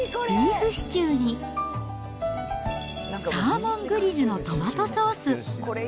ビーフシチューに、サーモングリルのトマトソース。